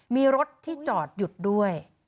มีรถที่จอดหยุดด้วย